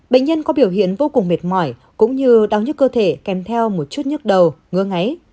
bệnh nhân có biểu hiện vô cùng mệt mỏi cũng như đau nhất cơ thể kèm theo một chút nhức đầu ngứa ngáy